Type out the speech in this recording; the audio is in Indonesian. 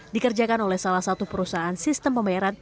dikerjakan oleh salah satu perusahaan sistem pembayaran